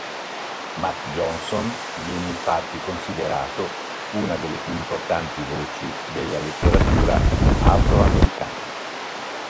Mat Johnson viene infatti considerato una delle più importanti voci della letteratura afro-americana.